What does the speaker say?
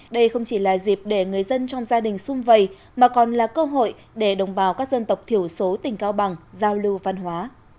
đây không chỉ là dịp để người dân trong gia đình xung vầy mà còn là cơ hội để đồng bào các dân tộc thiểu số tỉnh cao bằng giao lưu văn hóa